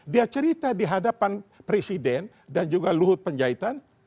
dia cerita di hadapan presiden dan juga luhut penjahitan